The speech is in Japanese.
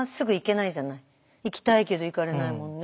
行きたいけど行かれないもんね。